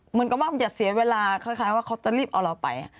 เหมือนกับว่าอย่าเสียเวลาคล้ายว่าเขาจะรีบเอาเราไป